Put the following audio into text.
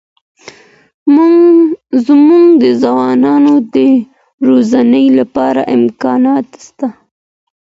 زموږ د ځوانانو د روزنې لپاره امکانات سته.